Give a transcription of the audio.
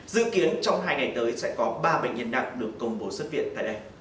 dự kiến trong hai ngày tới sẽ có ba bệnh nhân nặng được công bố xuất viện tại đây